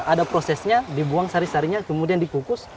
ada prosesnya dibuang sari sarinya kemudian dikukus